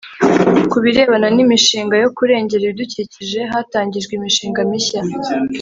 ku birebana n imishinga yo kurengera ibidukikije hatangijwe imishinga mishya.